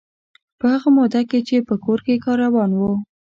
په هغه موده کې چې په کور کې کار روان و.